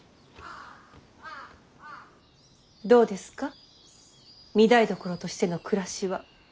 どうですか御台所としての暮らしは。